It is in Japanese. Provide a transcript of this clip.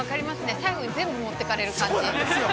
最後に全部もってかれる感じ。